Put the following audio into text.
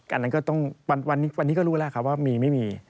อันนั้นก็ต้องวันนี้ก็รู้แล้วครับว่ามีไม่มี